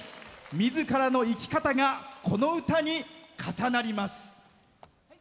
みずからの生き方がこの歌に重なります。